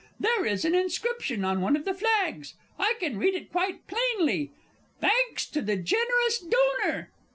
There is an inscription on one of the flags I can read it quite plainly. "_Thanks to the generous Donor!